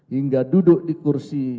hingga duduk di kursi